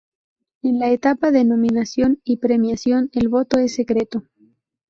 En la etapa de nominación y premiación, el voto es secreto.